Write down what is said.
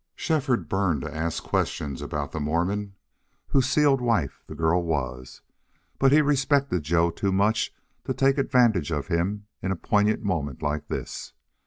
Shefford burned to ask questions about the Mormon whose sealed wife the girl was, but he respected Joe too much to take advantage of him in a poignant moment like this.